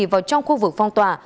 vào trong khu vực phong tỏa